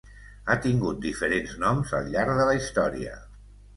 Ha tingut diferents noms al llarg de la història.